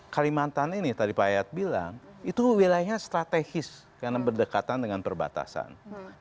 kalimantan ini tadi pak ayat bilang itu wilayahnya strategis karena berdekatan dengan perbatasan